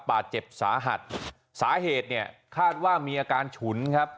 บาดเจ็บสาหัสสาเหตุเนี่ยคาดว่ามีอาการฉุนครับ